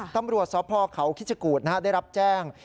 ตำรวจสพเขาคิชกูธได้รับแจ้ง